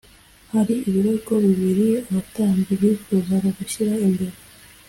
hari ibirego bibiri abatambyi bifuzaga gushyira imbere